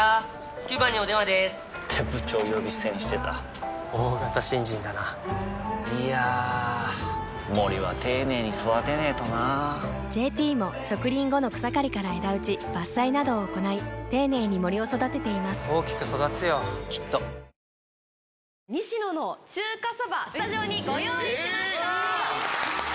９番にお電話でーす！って部長呼び捨てにしてた大型新人だないやー森は丁寧に育てないとな「ＪＴ」も植林後の草刈りから枝打ち伐採などを行い丁寧に森を育てています大きく育つよきっとにし乃の中華そばスタジオにご用意しました。